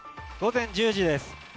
午前１０時です。